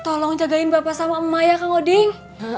tolong jagain bapak sama emak ya kang oding